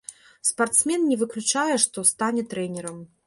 Спартсмен не выключае, што стане трэнерам.